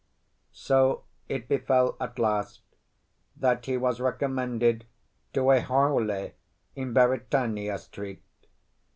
So it befell at last that he was recommended to a Haole in Beritania Street.